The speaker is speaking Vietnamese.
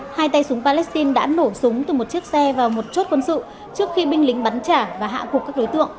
hai tay súng palestine đã nổ súng từ một chiếc xe vào một chốt quân sự trước khi binh lính bắn trả và hạ cục các đối tượng